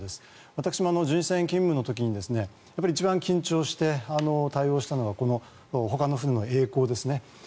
私も巡視船勤務の時に一番緊張して対応したのがほかの船のえい航ですね。